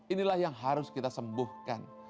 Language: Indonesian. inilah yang harus kita sembuhkan